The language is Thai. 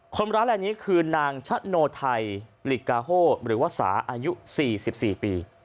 คนร้านแหละนี้คือนางชะโนไทยหรือว่าสาอายุ๔๔ปี